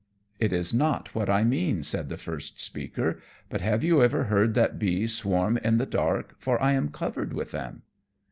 "It is not that I mean," said the first speaker; "but have you ever heard that bees swarm in the dark, for I am covered with them?"